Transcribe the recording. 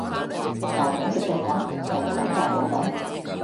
大菌食細菌,細菌當補品